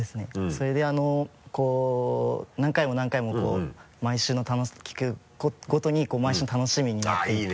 それであの何回も何回も毎週聞くごとに毎週の楽しみになってきて。